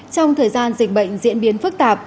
trong thời gian dịch bệnh diễn biến phức tạp